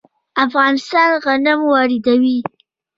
افغانستان غنم واردوي.